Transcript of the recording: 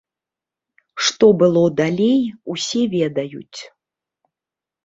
Што было далей, усе ведаюць.